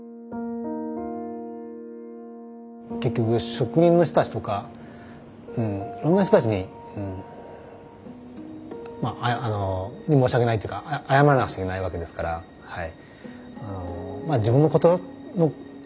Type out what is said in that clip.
結局職人の人たちとかいろんな人たちに申し訳ないというか謝らなくちゃいけないわけですからはい。